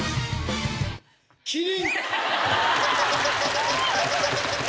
キリン。